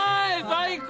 最高！